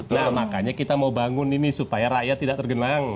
nah makanya kita mau bangun ini supaya rakyat tidak tergenang